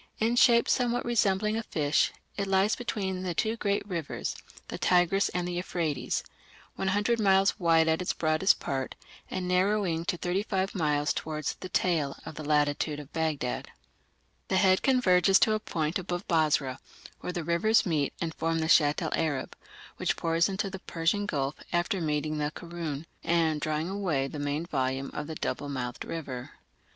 In shape somewhat resembling a fish, it lies between the two great rivers, the Tigris and the Euphrates, 100 miles wide at its broadest part, and narrowing to 35 miles towards the "tail" in the latitude of Baghdad; the "head" converges to a point above Basra, where the rivers meet and form the Shatt el Arab, which pours into the Persian Gulf after meeting the Karun and drawing away the main volume of that double mouthed river.